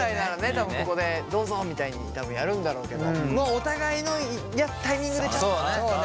多分ここでどうぞみたいにやるんだろうけどお互いのタイミングでちょっとね。